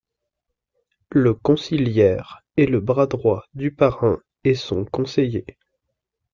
Le Consiglière est le bras droit du Parrain et son conseiller.